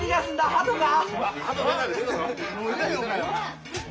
ハトか？